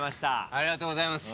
ありがとうございます。